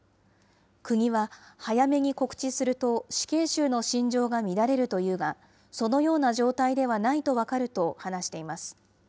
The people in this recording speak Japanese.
国は、早めに告知すると死刑囚の心情が乱れるというが、そのような状態ではないと分かると話しています。